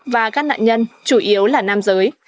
và các nạn nhân chủ yếu là nam giới